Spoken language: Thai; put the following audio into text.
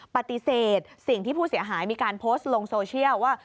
ปฏิเสธสิ่งที่ผู้เสียหายมีการโพสต์ลงโซเชียลว่า